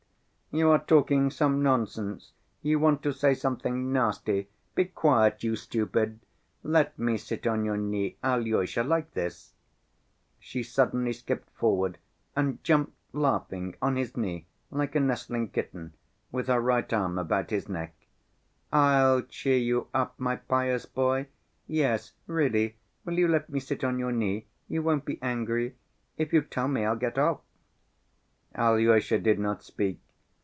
You are talking some nonsense, you want to say something nasty. Be quiet, you stupid! Let me sit on your knee, Alyosha, like this." She suddenly skipped forward and jumped, laughing, on his knee, like a nestling kitten, with her right arm about his neck. "I'll cheer you up, my pious boy. Yes, really, will you let me sit on your knee? You won't be angry? If you tell me, I'll get off?" Alyosha did not speak.